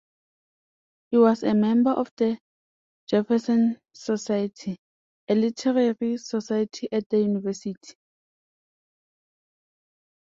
He was a member of the Jefferson Society, a literary society at the University.